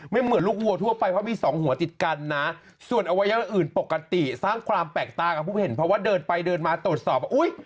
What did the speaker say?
เหมือนลูกวัวทั่วไปเพราะมีสองหัวติดกันนะส่วนอวัยวะอื่นปกติสร้างความแปลกตากับผู้เห็นเพราะว่าเดินไปเดินมาตรวจสอบว่าอุ้ย